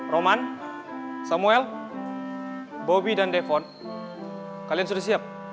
roman samuel bobby dan defon kalian sudah siap